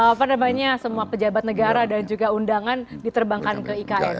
apa namanya semua pejabat negara dan juga undangan diterbangkan ke ikn